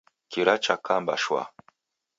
Kira chakamba shwa.